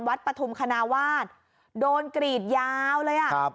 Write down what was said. ปฐุมคณาวาสโดนกรีดยาวเลยอ่ะครับ